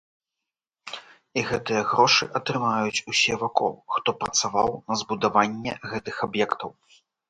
І гэтыя грошы атрымаюць усе вакол, хто працаваў на збудаванне гэтых аб'ектаў.